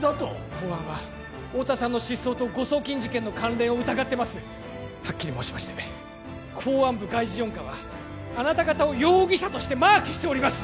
公安は太田さんの失踪と誤送金事件の関連を疑ってますはっきり申しまして公安部外事４課はあなた方を容疑者としてマークしております